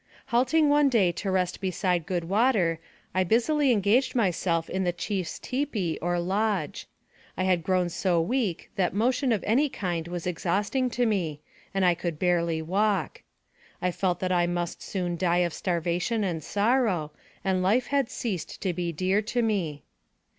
Halting one day to rest beside good water, I busily engaged myself in the chief's tipi, or lodge. I had grown so weak that motion of any kind was exhaust ing to me, and I could scarcely walk. I felt that I must soon die of starvation and sorrow, and life had ceased to be dear to me.